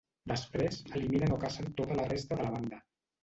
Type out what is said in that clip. Després, eliminen o cacen tota la resta de la banda.